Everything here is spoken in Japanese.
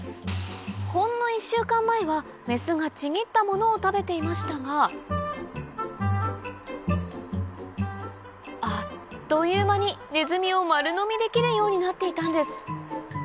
ほんの１週間前はメスがちぎったものを食べていましたがあっという間にネズミを丸のみできるようになっていたんです